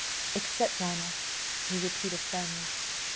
"'Except honour,' he repeated firmly.